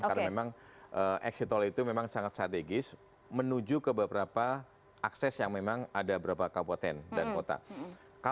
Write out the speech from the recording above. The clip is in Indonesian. karena memang exit tol itu memang sangat strategis menuju ke beberapa akses yang memang ada berapa kapoten dan kota